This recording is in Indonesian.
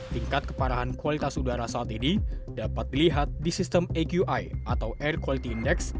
tingkat keparahan kualitas udara saat ini dapat dilihat di sistem aqi atau air quality index